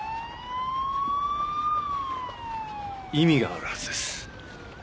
意味があるはずです。